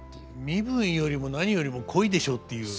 「身分よりも何よりも恋でしょ」っていう。